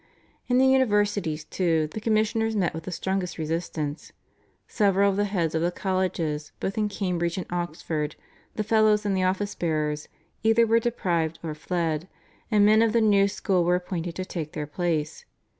In the universities, too, the commissioners met with the strongest resistance. Several of the heads of the colleges, both in Cambridge and Oxford, the fellows and the office bearers, either were deprived or fled, and men of the new school were appointed to take their places.